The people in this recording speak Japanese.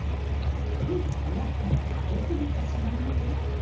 ついおやつもあげすぎてしまうので。